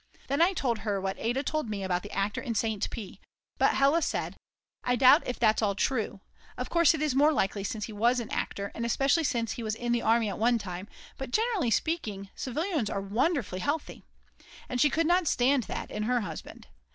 Then I told her what Ada had told me about the actor in St. P. But Hella said: I doubt if that's all true; of course it is more likely since he was an actor, and especially since he was in the army at one time, but generally speaking civilians are wonderfully healthy!!! And she could not stand that in her husband.